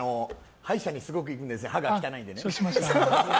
歯医者によく行くんですよ、歯が汚いので。